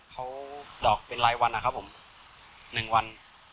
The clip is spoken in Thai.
เขาหลอกเป็นรายวันนะครับผม๑วัน